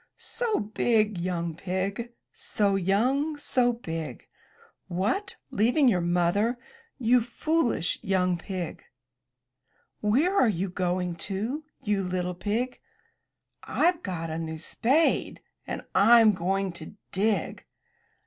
'* ''So big, young pig, So young, so big! What! leaving your Mother, you foolish young pig!" "Where are you going to, you little pig?'* "Fve got a new spade, and Fm going to dig.